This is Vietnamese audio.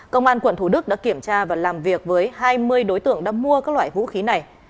công an quận thủ đức đã kiểm tra và làm việc với hai mươi đối tượng đã mua các loại vũ khí này